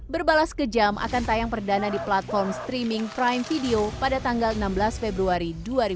berbalas kejam akan tayang perdana di platform streaming prime video pada tanggal enam belas februari dua ribu dua puluh